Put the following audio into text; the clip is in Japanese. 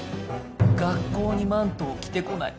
学校にマントを着てこない。